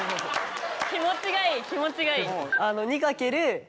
気持ちがいい気持ちがいい。